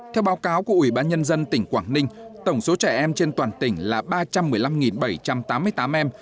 theo báo cáo của ủy ban nhân dân tỉnh quảng ninh tổng số trẻ em trên toàn tỉnh là ba trăm một mươi năm bảy trăm tám mươi tám em